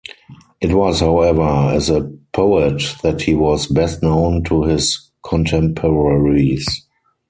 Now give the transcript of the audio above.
It was, however, as a poet that he was best known to his contemporaries.